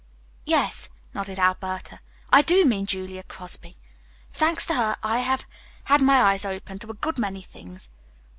"Yes," nodded Alberta. "I do mean Julia Crosby. Thanks to her, I have had my eyes opened to a good many things.